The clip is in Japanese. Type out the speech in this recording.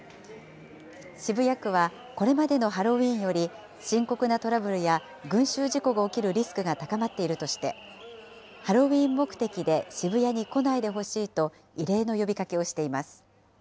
渋谷区は、これまでのハロウィーンより深刻なトラブルや群集事故が起きるリスクが高まっているとして、ハロウィーン目的で渋谷に来ないでほしいと、異例の呼びかけをしています。